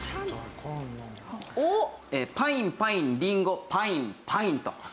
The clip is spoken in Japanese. パインパインりんごパインパインと。